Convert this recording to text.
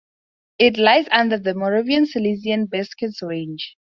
It lies under the Moravian-Silesian Beskids Range.